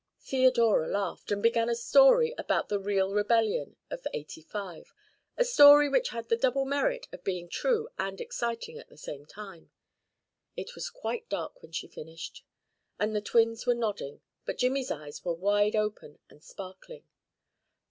Theodora laughed, and began a story about the Riel Rebellion of '85 a story which had the double merit of being true and exciting at the same time. It was quite dark when she finished, and the twins were nodding, but Jimmy's eyes were wide open and sparkling.